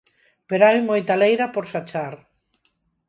Pero hai moita leira por sachar.